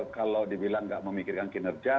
kalau dibilang nggak memikirkan kinerja